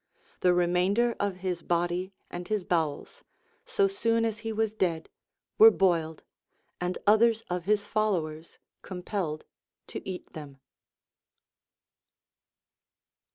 The remainder of his body and his bowels, so soon as he was dead, were boiled, and others of his followers compelled to eat them.